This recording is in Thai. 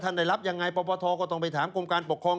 ได้รับยังไงปปทก็ต้องไปถามกรมการปกครอง